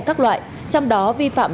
các loại trong đó vi phạm